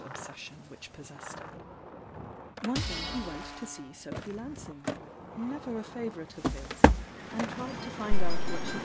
ob^s sion which possessed it. o^range ooses One day he went to see Sophy Lansing— never a favourite of hi» and tried to find out what sht SZf?